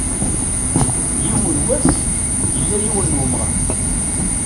Yiwen wass, yella yiwen n wemɣar.